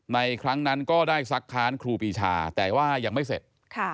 ครั้งนั้นก็ได้ซักค้านครูปีชาแต่ว่ายังไม่เสร็จ